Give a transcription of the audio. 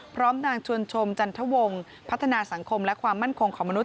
พร้อมนางชวนชมจันทวงศ์พัฒนาสังคมและความมั่นคงของมนุษ